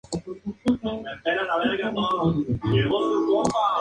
Está hermoso.